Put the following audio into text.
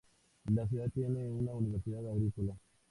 La ciudad tiene una universidad agrícola.